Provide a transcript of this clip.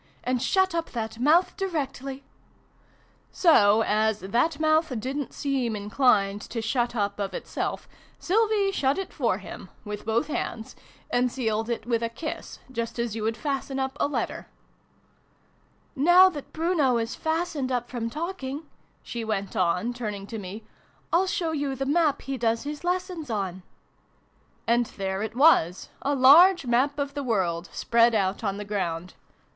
And shut up that mouth directly !" So, as ' that mouth ' didn't seem inclined to shut up of itself, Sylvie shut it for him with both hands and sealed it with a kiss, just as you would fasten up a letter. l] BRUNO'S LESSONS. 13 " Now that Bruno is fastened up from talking," she went on, turning to me, " I'll show you the Map he does his lessons on." And there it was, a large Map of the World, spread out on the ground.